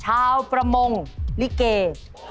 อาวประมงลิเกย์